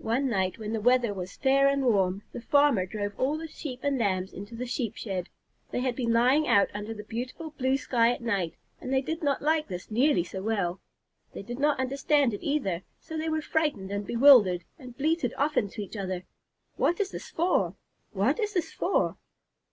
One night, when the weather was fair and warm, the farmer drove all the Sheep and Lambs into the Sheep shed. They had been lying out under the beautiful blue sky at night, and they did not like this nearly so well. They did not understand it either, so they were frightened and bewildered, and bleated often to each other, "What is this for? What is this for?"